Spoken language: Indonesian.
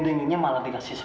di mana tante itu